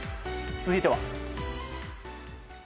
続いては。